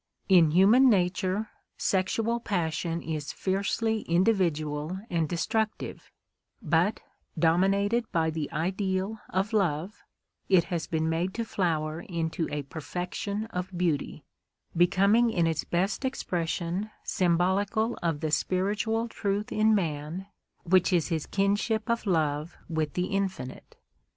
In human nature sexual passion is fiercely individual and destructive, but dominated by the ideal of love, it has been made to flower into a perfection of beauty, becoming in its best expression symbolical of the spiritual truth in man which is his kinship of love with the Infinite.